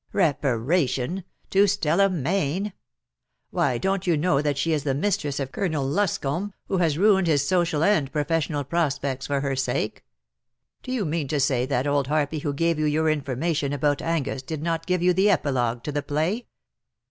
*^ Reparation !— to Stella Mayne? Why don't you know that she is the mistress of Colonel Luscomb, who has ruined his social and professional prospects for her sake. Do you mean to say that old harpy who gave you your information about Angus did norgive you the epilogue to the play